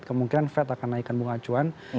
kemungkinan fed akan naikkan bunga acuan